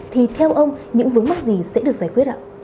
thì theo ông những vướng mắc gì sẽ được giải quyết ạ